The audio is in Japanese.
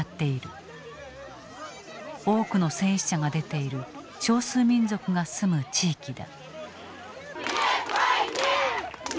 多くの戦死者が出ている少数民族が住む地域だ。